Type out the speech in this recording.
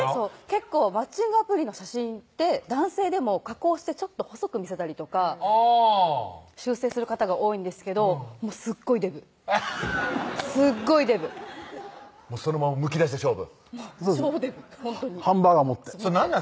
結構マッチングアプリの写真って男性でも加工してちょっと細く見せたりとか修正する方が多いんですけどすっごいデブすっごいデブそのままむき出しで勝負ハンバーガー持ってそれ何なん？